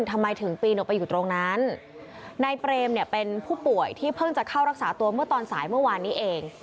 ทำไมถึงปีนออกไปอยู่ตรงนั้นนายเปรมเนี่ยเป็นผู้ป่วยที่เพิ่งจะเข้ารักษาตัวเมื่อตอนสายเมื่อวานนี้เอง